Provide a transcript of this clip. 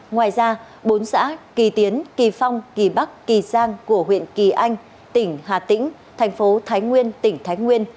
ngoài ra bốn xã kỳ tiến kỳ phong kỳ bắc kỳ giang của huyện kỳ anh tỉnh hà tĩnh thành phố thái nguyên tỉnh thái nguyên